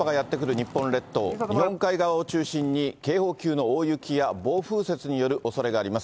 日本海側を中心に警報級の大雪や暴風雪によるおそれがあります。